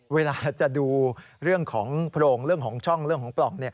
เวลาจะดูเรื่องของโพรงเรื่องของช่องเรื่องของปล่อง